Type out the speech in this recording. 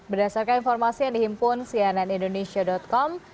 berdasarkan informasi yang dihimpun cnnindonesia com